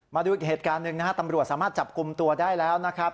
มาดูอีกเหตุการณ์หนึ่งนะฮะตำรวจสามารถจับกลุ่มตัวได้แล้วนะครับ